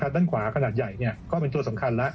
ด้านขวาขนาดใหญ่ก็เป็นตัวสำคัญแล้ว